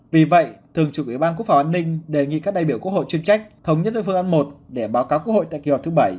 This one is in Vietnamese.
vì vậy thường trục ủy ban quốc phòng an ninh đề nghị các đại biểu quốc hội chuyên trách thống nhất với phương án một để báo cáo quốc hội tại kỳ họp thứ bảy